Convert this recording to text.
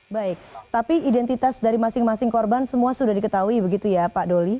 baik tapi identitas dari masing masing korban semua sudah diketahui begitu ya pak doli